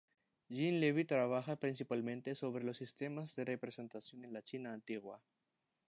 Jean Levi trabaja principalmente sobre los sistemas de representación en la China antigua.